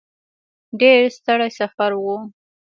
ډېر ستړی سفر و.